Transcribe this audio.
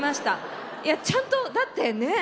いやちゃんとだってねえ